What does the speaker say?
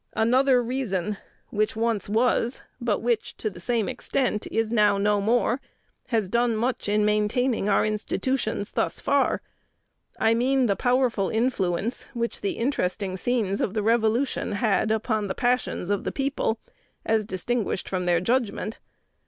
Another reason which once was, but which, to the same extent, is now no more, has done much in maintaining our institutions thus far. I mean the powerful influence which the interesting scenes of the Revolution had upon the passions of the people as distinguished from their judgment."